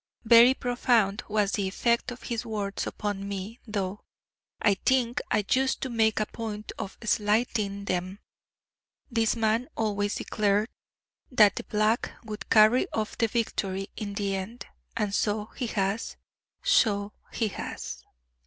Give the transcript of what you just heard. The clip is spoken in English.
Very profound was the effect of his words upon me, though, I think, I used to make a point of slighting them. This man always declared that 'the Black' would carry off the victory in the end: and so he has, so he has.